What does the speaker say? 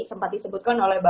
sempat disebutkan oleh bapak